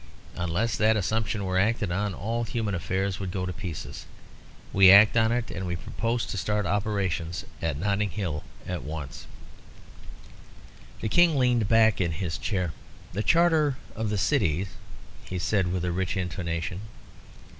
Unless that assumption were acted on, all human affairs would go to pieces. We act on it, and we propose to start operations in Notting Hill at once." The King leaned back in his chair. "The Charter of the Cities ...," he said with a rich intonation.